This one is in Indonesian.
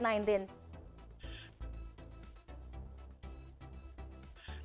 kita harus bertanya juga